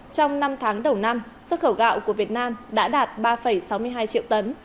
trong năm tháng đầu năm xuất khẩu gạo của việt nam đã đạt ba sáu mươi hai triệu tấn